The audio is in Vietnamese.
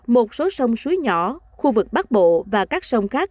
một số sông suối nhỏ khu vực bắc bộ và các sông khác